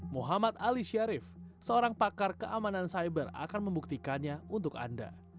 muhammad ali syarif seorang pakar keamanan cyber akan membuktikannya untuk anda